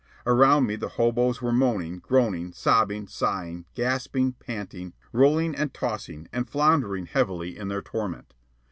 Around me the hoboes were moaning, groaning, sobbing, sighing, gasping, panting, rolling and tossing and floundering heavily in their torment.